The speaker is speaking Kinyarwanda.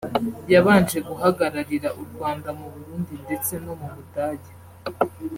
yabanje guhagararira u Rwanda mu Burundi ndetse no mu Budage